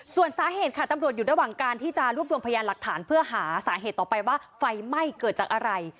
ส่วนสาเหตุค่ะตำรวจอยู่ระหว่างการที่จะรวบรวมพยานหลักฐานเพื่อหาสาเหตุต่อไปว่าไฟไหม้เกิดจากอะไร